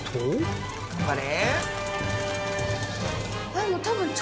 頑張れ。